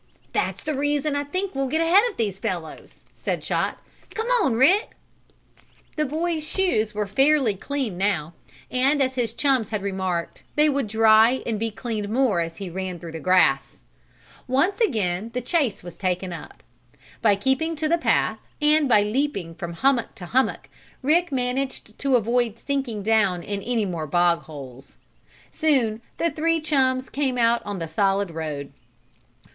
"That's the reason I think we'll get ahead of these fellows," said Chot. "Come on, Rick." The boy's shoes were fairly clean now, and, as his chums had remarked, they would dry and be cleaned more as he ran through the grass. Once again the chase was taken up. By keeping to the path, and by leaping from hummock to hummock, Rick managed to avoid sinking down in any more bog holes. Soon the three chums came out on the solid road.